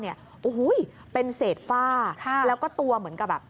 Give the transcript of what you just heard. โอ้โฮเป็นเสร็จฟ่าแล้วก็ตัวเหมือนกับ